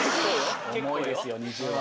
重いですよ２０は。